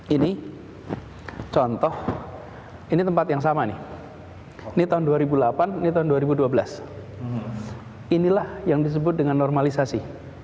ini contoh ini tempat yang sama nih ini tahun dua ribu delapan ini tahun dua ribu dua belas inilah yang disebut dengan normalisasi